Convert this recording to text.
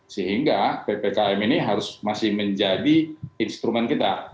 sehingga ppkm ini harus masih menjadi instrumen kita